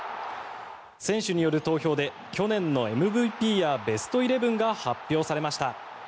選手による投票で去年のＭＶＰやベストイレブンが発表されました。